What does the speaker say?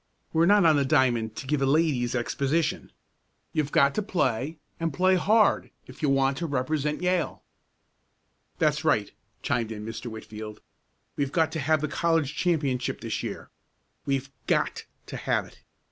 "We're not on the diamond to give a ladies' exhibition. You've got to play, and play hard if you want to represent Yale." "That's right," chimed in Mr. Whitfield. "We've got to have the college championship this year. We've GOT to have it.